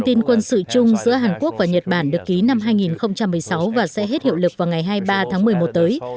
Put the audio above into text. tin quân sự chung giữa hàn quốc và nhật bản được ký năm hai nghìn một mươi sáu và sẽ hết hiệu lực vào ngày hai mươi ba tháng một mươi một tới